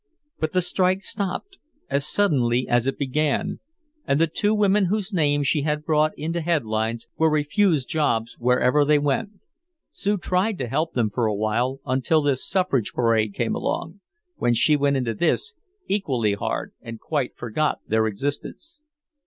But the strike stopped as suddenly as it began, and the two women whose names she had brought into headlines were refused jobs wherever they went. Sue tried to help them for a while, until this suffrage parade came along, when she went into this equally hard and quite forgot their existence.